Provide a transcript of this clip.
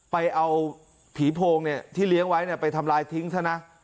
ไปเอาผีโพงเนี่ยที่เลี้ยงไว้ไปทำลายทิ้งซะนะ